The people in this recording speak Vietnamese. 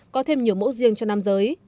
có thêm nhiều mẫu riêng cho nam giới